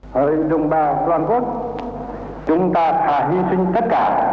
hỡi đồng bà toàn quốc chúng ta thà hi sinh tất cả